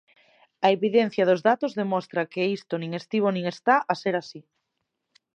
A evidencia dos datos demostra que isto nin estivo nin está a ser así.